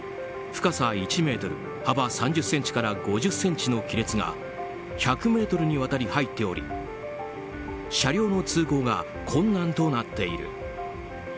深さ１ｍ幅３０ｃｍから５０ｃｍの亀裂が１００ｍにわたり入っており車両の通行が困難となっている。